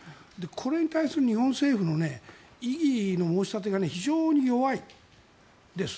これに対する日本政府の異議の申し立てが非常に弱いです。